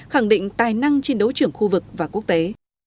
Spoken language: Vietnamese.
khẳng định tài năng chiến đấu trưởng khu vực và quốc tế